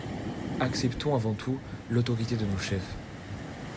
Acceptons, avant tout, l'autorité de nos chefs!